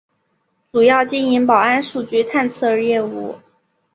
主要经营保安数据探测业务。